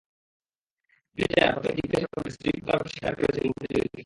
Police জানায়, প্রাথমিক জিজ্ঞাসাবাদে স্ত্রীকে হত্যা করার কথা স্বীকার করেছেন মফিজুল ইসলাম।